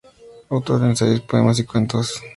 Autor de ensayos, poemas y cuentos.